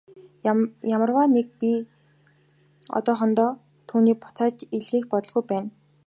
Ямартаа ч би одоохондоо түүнийг буцааж илгээх бодолгүй байна.